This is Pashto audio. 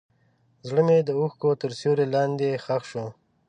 زړه مې د اوښکو تر سیوري لاندې ښخ شو.